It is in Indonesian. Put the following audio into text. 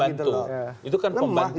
itu kan pembantu